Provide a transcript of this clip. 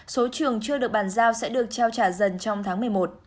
số trường chưa được bàn giao sẽ được trao trả dần trong tháng một mươi một